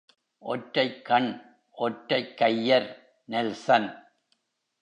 ஒற்றைக் கண், ஒற்றைக் கையர் நெல்சன்.